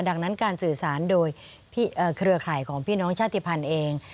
ดังนั้นการสื่อสารโดยเครือข่ายของพี่น้องชาติภัณฑ์เอง